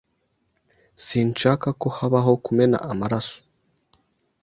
Sinshaka ko habaho kumena amaraso.